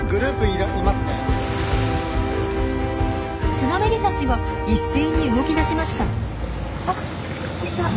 スナメリたちが一斉に動き出しました。